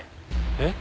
えっ！